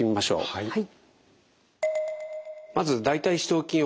はい。